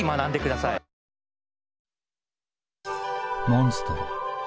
モンストロ。